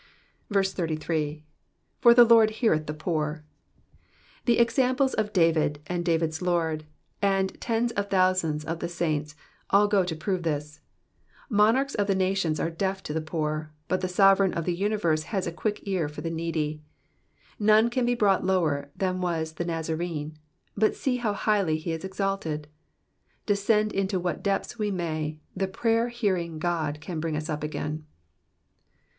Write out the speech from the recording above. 33. *'/<>r the Lord hearrth the poor."' The examples of David and David^s Lord, and ten«i of thousands of the saints, all ^ to prore this. Monarchs of the nations are deaf to the poor, bat the Sorereign of the Universe has a qoick ear for the needj. None can be brought lower than was the Nazarene, but see how highly he is exalted : descend into what depths we may, the prayer hearing God can bring us up again.